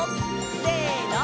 せの！